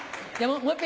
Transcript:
もう一遍。